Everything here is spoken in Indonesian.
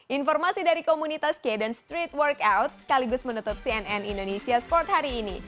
informasi dari komunitas kd street workout sekaligus menutup cnn indonesia sport hari ini